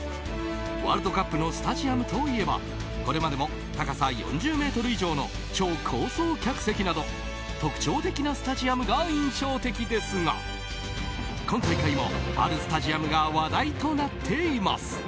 ワールドカップのあるスタジアムといえばこれまでも高さ４０ｍ以上の超高層客席など特徴的なスタジアムが印象的ですが今大会も、あるスタジアムが話題となっています。